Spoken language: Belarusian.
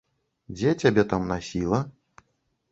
Дзе цябе там насіла?